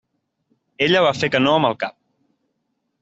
Ella va fer que no amb el cap.